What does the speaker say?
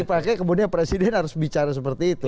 dipakai kemudian presiden harus bicara seperti itu